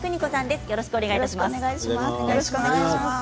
よろしくお願いします。